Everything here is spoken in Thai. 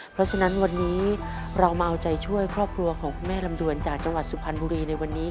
เพราะฉะนั้นวันนี้เรามาเอาใจช่วยครอบครัวของคุณแม่ลำดวนจากจังหวัดสุพรรณบุรีในวันนี้